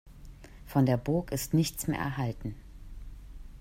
Von der Burg ist nichts mehr erhalten.